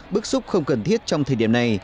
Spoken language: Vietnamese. bức xúc không cần thiết trong thời điểm này